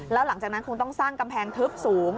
แล้วหลังจากนั้นคงต้องสร้างกำแพงทึบสูง